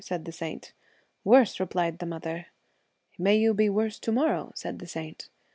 ' said the saint. I Worse,' replied the mother. ' May you be worse to morrow,' said the saint.